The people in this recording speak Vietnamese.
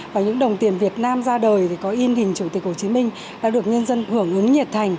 và những đồng tiền việt nam ra đời thì có in hình chủ tịch hồ chí minh đã được nhân dân hưởng ứng nhiệt thành